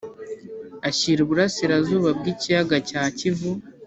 ashyira Uburasirazuba bw’ikiyaga cya kivu